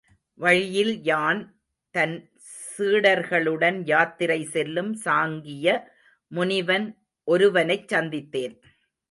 வழியில் யான், தன் சீடர்களுடன் யாத்திரை செல்லும் சாங்கிய முனிவன் ஒருவனைச் சந்தித்தேன்.